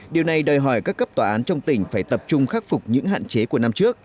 điều này đòi hỏi các cấp tòa án trong tỉnh phải tập trung khắc phục những hạn chế của năm trước